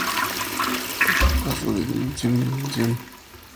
Paso a paso, de dimensión en dimensión.